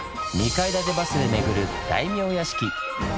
２階建てバスで巡る大名屋敷！